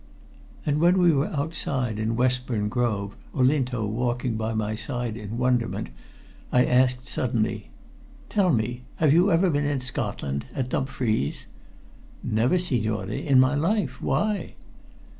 And when we were outside in Westbourne Grove, Olinto walking by my side in wonderment, I asked suddenly: "Tell me. Have you ever been in Scotland at Dumfries?" "Never, signore, in my life. Why?"